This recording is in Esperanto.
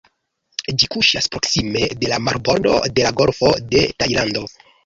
Ĝi kuŝas proksime de la marbordo de la Golfo de Tajlando.